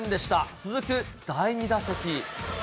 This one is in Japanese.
続く第２打席。